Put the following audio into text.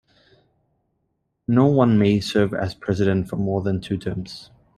No one may serve as President for more than two terms.